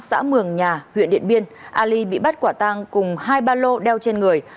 xã mường nhà huyện điện biên ali bị bắt quả tang cùng hai ba lô đeo trên người